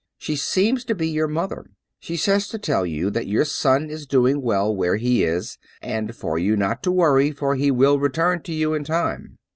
She seems to be your mother. She says to tell you that your son is domg well where he is, and for you not to worry, for he will return to you in time.